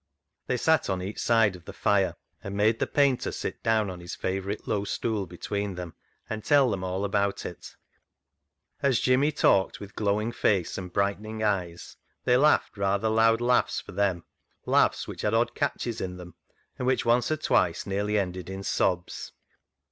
They sat on each side of the fire, and made the painter sit down on his favourite low stool between them and tell them all about it. As Jimmy talked with glowing face and brightening eyes, they laughed, rather loud laughs for them, laughs which had odd catches in them, and which once or twice nearly ended in sobs.